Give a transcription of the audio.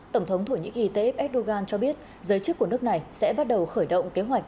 tổng thống thổ nhĩ kỳ t f s dogan cho biết giới chức của nước này sẽ bắt đầu khởi động kế hoạch